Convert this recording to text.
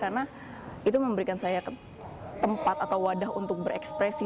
karena itu memberikan saya tempat atau wadah untuk berekspresi